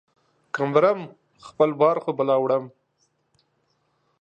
که مرم ، خپل بار خو به لا وړم.